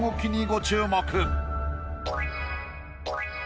ご注目。